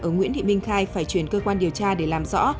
ở nguyễn thị minh khai phải chuyển cơ quan điều tra để làm rõ